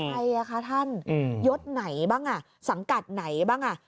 ใช่ค่ะท่านยศไหนบ้างสังกัดไหนบ้าง